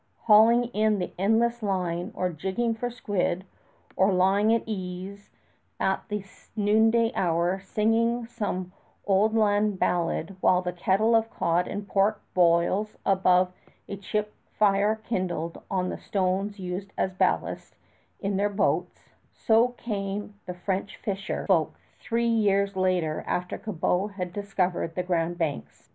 hauling in the endless line, or jigging for squid, or lying at ease at the noonday hour singing some old land ballad while the kettle of cod and pork boils above a chip fire kindled on the stones used as ballast in their boats so came the French fisher folk three years after Cabot had discovered the Grand Banks.